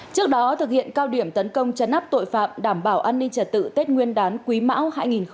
trước đó thực hiện cao điểm tấn công chấn áp tội phạm đảm bảo an ninh trật tự tết nguyên đán quý mão hai nghìn hai mươi bốn